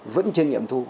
vẫn chưa nghiệm thu